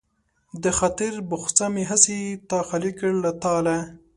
د خاطر بخڅه مې هسې تا خالي کړ له تالا